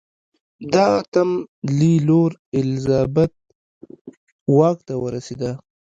د اتم لي لور الیزابت واک ته ورسېده.